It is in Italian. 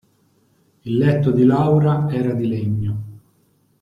Il letto di Laura era di legno.